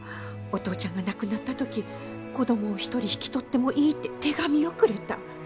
お父ちゃんが亡くなった時子供を１人引き取ってもいいって手紙をくれた。